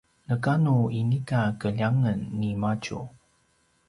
neka nu inika keljangen nimadju